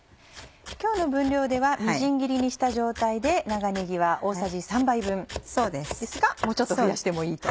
今日の分量ではみじん切りにした状態で長ねぎは大さじ３杯分ですがもうちょっと増やしてもいいと。